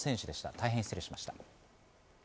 大変失礼しました。